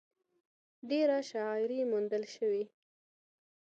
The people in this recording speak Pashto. ډېره شاعري موندلے شي ۔